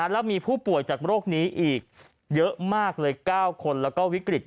แล้วมีผู้ป่วยจากโรคนี้อีกเยอะมากเลย๙คนแล้วก็วิกฤต